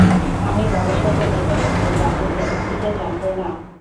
আমি বাবার সাথে দেখা করতে ব্রাজিল যাবো, কী যে যন্ত্রণা!